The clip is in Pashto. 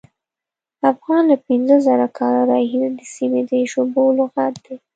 افغان له پینځه زره کاله راهیسې د سیمې د ژبو لغت دی.